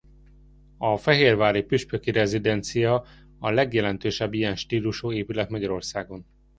A fehérvári püspöki rezidencia a legjelentősebb ilyen stílusú épület Magyarországon.